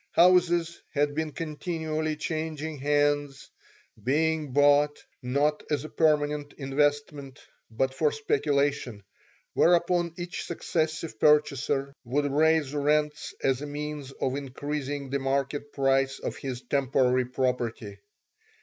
Houses had been continually changing hands, being bought, not as a permanent investment, but for speculation, whereupon each successive purchaser would raise rents as a means of increasing the market price of his temporary property.